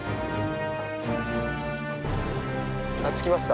あっ着きました！